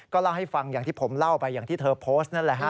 เล่าให้ฟังอย่างที่ผมเล่าไปอย่างที่เธอโพสต์นั่นแหละฮะ